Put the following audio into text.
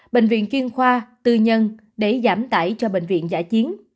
bệnh viện chuyên khoa tư nhân để giảm tải cho bệnh viện giả chiến